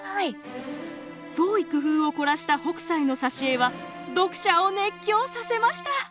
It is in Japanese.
創意工夫を凝らした北斎の挿絵は読者を熱狂させました。